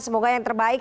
semoga yang terbaik